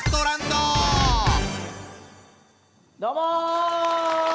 どうも！